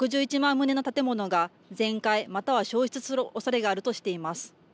棟の建物が全壊または焼失するおそれがあるとしています。